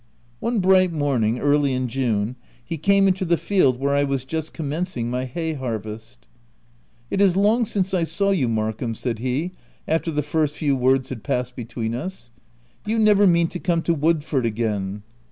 One bright morn ing early in June, he came into the field where I was just commencing my hay harvest. " It is long since I saw you, Markham," said he after the first few words had passed between us. u Do you never mean to come to Wood ford again?"